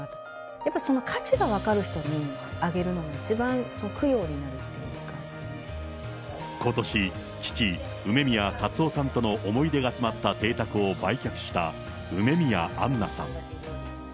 やっぱりその価値が分かる人にあげるのが一番、ことし、父、梅宮辰夫さんとの思い出が詰まった邸宅を売却した、梅宮アンナさん。